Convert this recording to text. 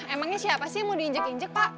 emangnya siapa sih yang mau diinjek injek pak